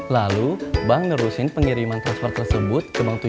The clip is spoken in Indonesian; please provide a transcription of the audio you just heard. lalu bank ngerusin pengiriman transfer tersebut ke bank tujuh